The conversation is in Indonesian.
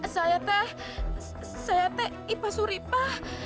saya teh saya teh ipa suripah